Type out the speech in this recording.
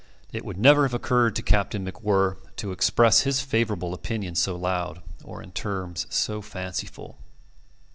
It would never have occurred to Captain MacWhirr to express his favourable opinion so loud or in terms so fanciful.